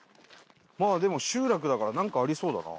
でも集落だからなんかありそうだな。